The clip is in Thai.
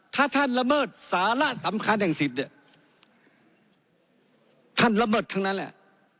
ถ้าท่านละเมิดสาระสำคัญแห่งสิทธิ์เนี่ยท่านละเมิดทั้งนั้นแหละ